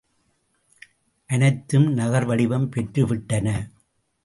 அனைத்தும் நகர் வடிவம் பெற்று விட்டன.